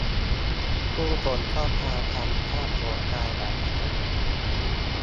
ผู้คนก็พากันฆ่าตัวตายแบบปริศนา